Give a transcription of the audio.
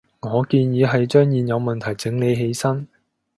我建議係將現有問題整理起身